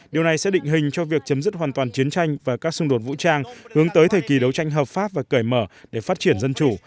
điều này sẽ định hình cho việc chấm dứt hoàn toàn chiến tranh và các xung đột vũ trang hướng tới thời kỳ đấu tranh hợp pháp và cởi mở để phát triển dân chủ